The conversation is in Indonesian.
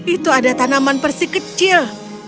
itu adalah tanaman persik kecil